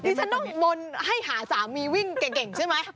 ฉันต้องมนต์ให้หาสามีวิ่งเก่งใช่ไหม